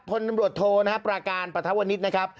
พลนำรวจโทปราการปทวนิทซ์นะครับ